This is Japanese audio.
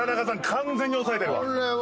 完全に押さえてるわ。